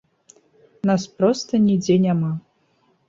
Нас проста нідзе няма.